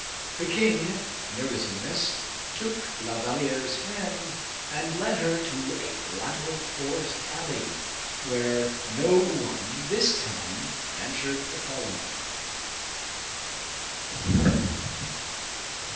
The king, noticing this, took La Valliere's hand, and led her to a lateral forest alley; where no one this time ventured to follow him.